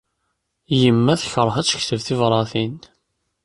Yemma tekṛeh ad tekteb tibṛatin.